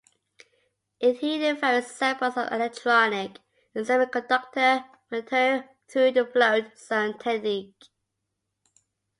It heated various samples of electronic and semiconductor material through the float-zone technique.